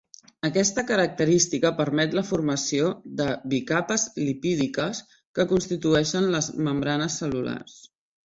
Aquesta característica permet la formació de bicapes lipídiques que constitueixen les membranes cel·lulars.